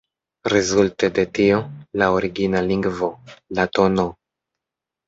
Rezulte de tio, la origina lingvo, la tn.